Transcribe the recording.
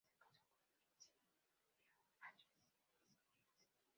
Se casó con Simeon H. Smith.